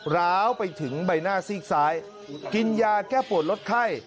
ร้าวไปถึงใบหน้าซีกซ้ายกินยาแก้ปวดลดไข้